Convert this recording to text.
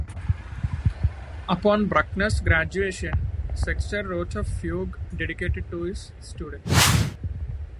Upon Bruckner's graduation, Sechter wrote a fugue dedicated to his student.